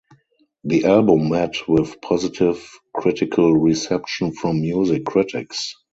The album met with positive critical reception from music critics.